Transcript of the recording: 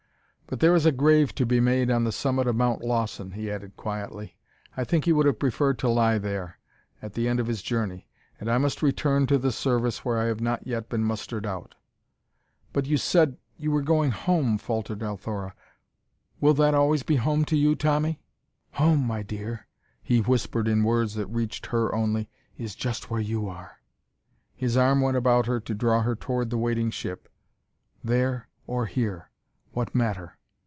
"But there is a grave to be made on the summit of Mount Lawson," he added quietly. "I think he would have preferred to lie there at the end of his journey and I must return to the service where I have not yet been mustered out." "But you said you were going home," faltered Althora. "Will that always be home to you, Tommy?" "Home, my dear," he whispered in words that reached her only, "is just where you are." His arm went about her to draw her toward the waiting ship. "There or here what matter?